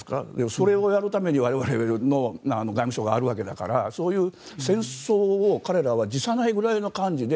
それをやるために我々の外務省があるわけだからそういう戦争を彼らは辞さないぐらいの感じで。